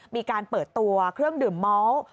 มีการเปิดตัวเครื่องดื่มเมาส์